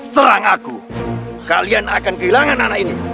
serang aku kalian akan kehilangan anak ini